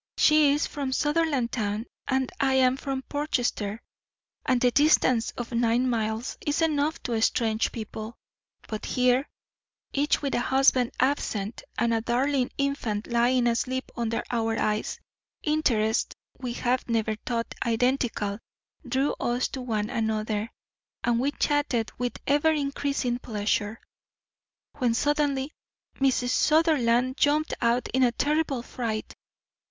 She is from Sutherlandtown and I am from Portchester, and the distance of nine miles is enough to estrange people. But here, each with a husband absent and a darling infant lying asleep under our eyes, interests we have never thought identical drew us to one another and we chatted with ever increasing pleasure when suddenly Mrs. Sutherland jumped up in a terrible fright.